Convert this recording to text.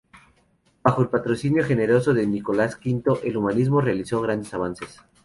Bajo el patrocinio generoso de Nicolás V, el humanismo realizó grandes avances.